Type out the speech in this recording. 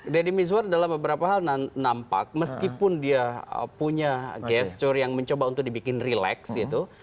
deddy mizwar dalam beberapa hal nampak meskipun dia punya gesture yang mencoba untuk dibikin relax gitu